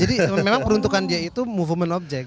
jadi memang peruntukan dia itu movement object